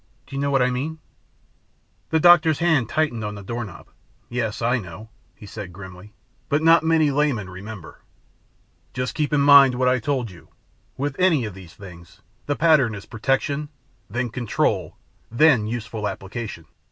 Do you know what I mean?" The doctor's hand tightened on the doorknob. "Yes, I know," he said grimly, "but not many laymen remember. Just keep in mind what I told you. With any of these things, the pattern is protection, then control, then useful application."